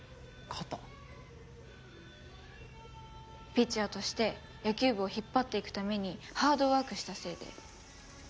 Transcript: ピッチャーとして野球部を引っ張っていくためにハードワークしたせいで。